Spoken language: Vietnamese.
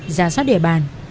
giả sát đề bàn